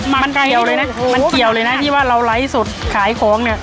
มันเกี่ยวเลยนะมันเกี่ยวเลยนะที่ว่าเราไลฟ์สดขายของเนี่ย